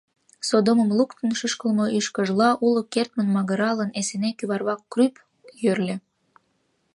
Содомым луктын, шӱшкылмӧ ӱшкыжла уло кертмын магыралын, Эсеней кӱварвак крӱп йӧрльӧ...